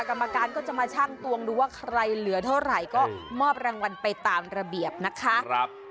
กรรมการก็จะมาชั่งตวงดูว่าใครเหลือเท่าไหร่ก็มอบรางวัลไปตามระเบียบนะคะ